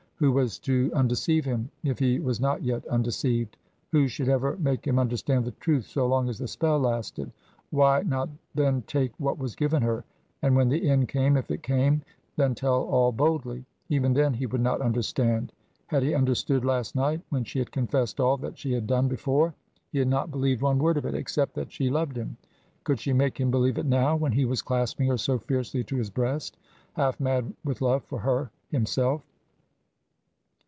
Who was to undeceive him, if he was not yet undeceived? Who should ever make him understand the truth so long as the spell lasted? Why not then take what was given her, and when the end came, if it came, then tell all boldly? Even then, he would not understand. Had he understood last night, when she had confessed all that she had done before? He had not believed one word of it, except that she loved him. Could she make him believe it now, when he was clasping her so fiercely to his breast, half mad with love for her himself?